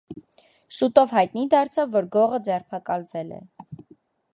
Շուտով հայտնի դարձավ, որ գողը ձերբակալվել է։